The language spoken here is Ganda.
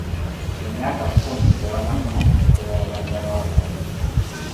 Kati emyaka kkumi tebannafuna nsako y'abaagalwa baabwe.